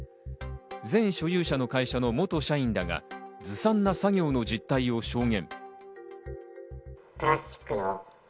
前所有者の会社の元社員らがずさんな作業の実態を証言。